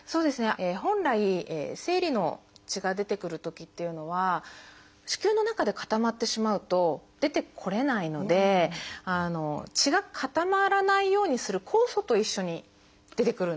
本来生理の血が出てくるときっていうのは子宮の中で固まってしまうと出てこれないので血が固まらないようにする酵素と一緒に出てくるんですね。